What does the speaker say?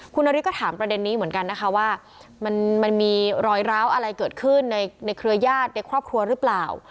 คุณนาริสก็ถามประเด็นนี้เหมือนกันนะคะว่ามันมีรอยร้าวอะไรเกิดขึ้นในเครือญาติในครอบครัวหรือเปล่า